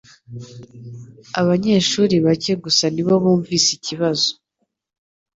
Abanyeshuri bake gusa ni bo bumvise ikibazo.